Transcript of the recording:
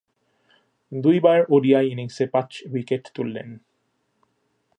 দুইবার ওডিআই ইনিংসে পাঁচ উইকেট তুলেনেন।